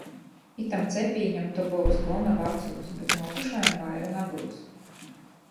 Itam cepīņam to byus gona vacūs, bet nuokušajam vaira nabyus.